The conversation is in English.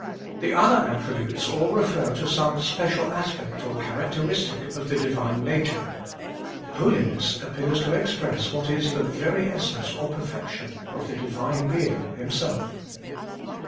The other attributes all refer to some special aspect or characteristic of the Divine Nature ; Holiness appears to express what is the very essence or perfection of the Divine Being Himself.